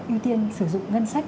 ưu tiên sử dụng ngân sách